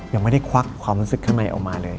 ยังไม่ได้ควักความรู้สึกข้างในออกมาเลย